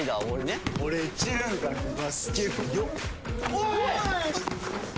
おい！